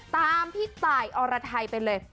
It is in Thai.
ตามพี่ตายอรไทยไปเลย